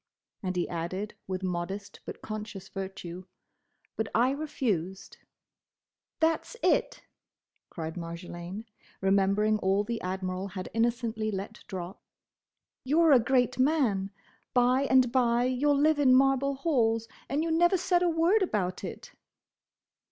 and he added with modest but conscious virtue, "but I refused." "That's it!" cried Marjolaine, remembering all the Admiral had innocently let drop. "You 're a great man; by and by you 'll live in marble halls; and you never said a word about it!"